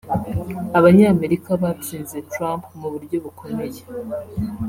Abanyamerika batsinze Trump mu buryo bukomeye